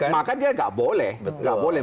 maka dia tidak boleh